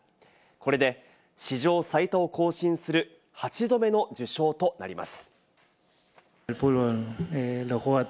これで史上最多を更新する８度目の受賞となります。